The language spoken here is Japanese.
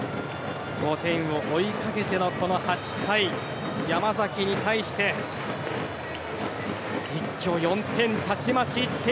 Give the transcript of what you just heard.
５点を追いかけての８回山崎に対して一挙４点